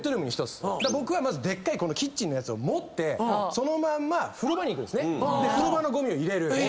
僕はまずでっかいこのキッチンのやつを持ってそのまんま風呂場に行くんですねで風呂場のごみを入れる。